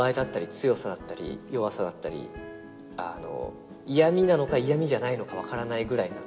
強さだったり弱さだったり嫌みなのか嫌みじゃないのか分からないぐらいだったり。